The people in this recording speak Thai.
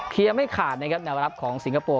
ไม่ขาดนะครับแนวรับของสิงคโปร์